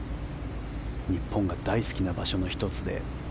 日本が大好きな場所の１つで。